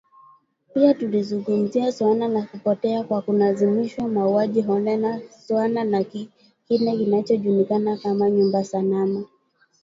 Pia tulizungumzia suala la kupotea kwa kulazimishwa, mauaji holela, suala la kile kinachojulikana kama “nyumba salama”.